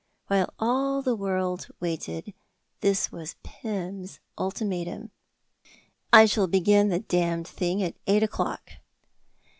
While all the world waited, this was Pym's ultimatum: "I shall begin the damned thing at eight o'clock."